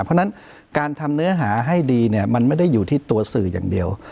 เพราะฉะนั้นการทำเนื้อหาให้ดีเนี่ยมันไม่ได้อยู่ที่ตัวสื่ออย่างเดียว